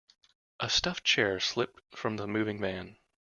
A stuffed chair slipped from the moving van.